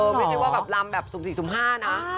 ไม่ใช่ว่าแบบลำแบบ๐๔๐๕นะ